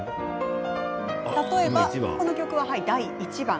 例えば、こちらの曲は第１番。